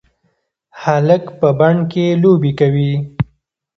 هلک په بڼ کې لوبې کوي.